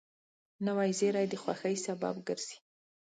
نوې زېری د خوښۍ سبب ګرځي